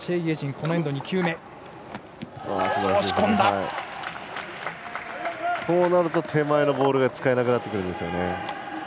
こうなると手前のボールが使えなくなるんですね。